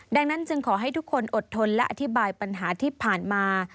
ดังนั้นจึงขอให้ทุกคนอดทนและอธิบายปัญหาที่ผ่านมา